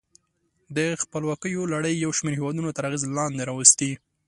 د خپلواکیو لړۍ یو شمیر هېودونه تر اغېز لاندې راوستي.